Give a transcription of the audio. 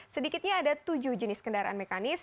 sedikitnya ada tujuh jenis kendaraan mekanis